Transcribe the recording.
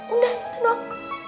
udah itu doang